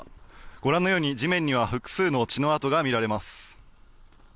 ご覧のように地面には複数の血の跡が見られます。